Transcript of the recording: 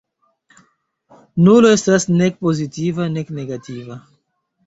Nulo estas nek pozitiva nek negativa.